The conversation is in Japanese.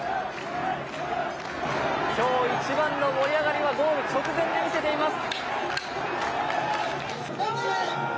今日一番の盛り上がりはゴール直前で見せています。